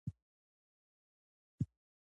شاه محمود به خپله خاوره له دښمنانو څخه ساتله.